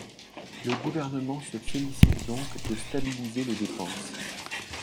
La Gouvernement se félicite donc de stabiliser les dépenses